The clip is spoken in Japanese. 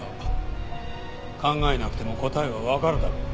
考えなくても答えはわかるだろう。